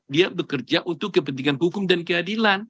dia bekerja untuk kepentingan hukum dan keadilan